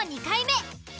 ２回目。